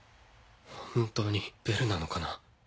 本当にベルなのかな？